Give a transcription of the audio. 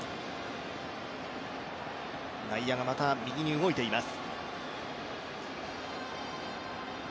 内野が、また右に動いています。